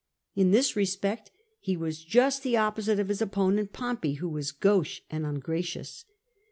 In this respect he was just the opposite of his opponent Pompey, who was gauche and ungracious.